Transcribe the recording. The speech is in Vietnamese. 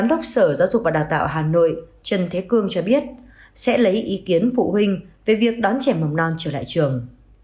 ông trần thế cương cho biết sẽ lấy ý kiến phụ huynh về việc đón trẻ mầm non trở lại trường